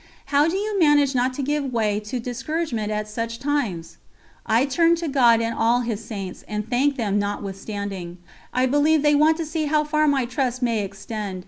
"How do you manage not to give way to discouragement at such times?" "I turn to God and all His Saints, and thank them notwithstanding; I believe they want to see how far my trust may extend.